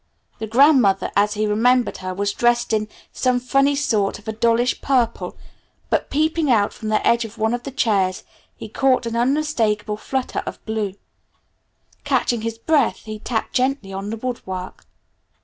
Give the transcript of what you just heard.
The grandmother as he remembered her was dressed in some funny sort of a dullish purple, but peeping out from the edge of one of the chairs he caught an unmistakable flutter of blue. Catching his breath he tapped gently on the woodwork.